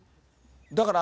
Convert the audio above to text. だから。